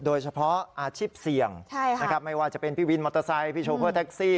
โดยเฉพาะอาชีพเสี่ยงไม่ว่าจะเป็นพี่วินมอเตอร์ไซค์พี่โชเฟอร์แท็กซี่